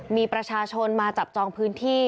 มีประชาชนมาจับจองพื้นที่